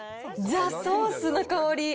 ザ・ソースの香り。